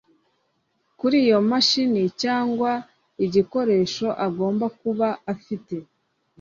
kuri iyo mashini cyangwa igikoresho agomba kuba afite